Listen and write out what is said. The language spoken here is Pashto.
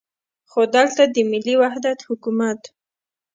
خو دلته د ملي وحدت حکومت.